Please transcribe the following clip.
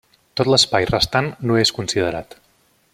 Tot l'espai restant no és considerat.